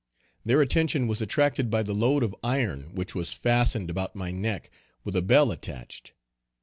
Their attention was attracted by the load of iron which was fastened about my neck with a bell attached.